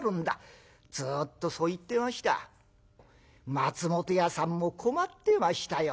松本屋さんも困ってましたよ。